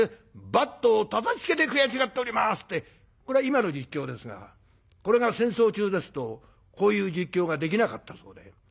バットをたたきつけて悔しがっております」ってこれは今の実況ですがこれが戦争中ですとこういう実況ができなかったそうで。